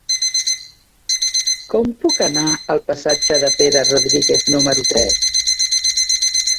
Com puc anar al passatge de Pere Rodríguez número tres?